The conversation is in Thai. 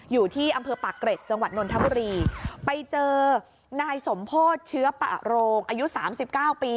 อยู่ที่อำเภอปากเกร็ดจังหวัดนนทบุรีไปเจอนายสมโพธิเชื้อปะโรงอายุสามสิบเก้าปี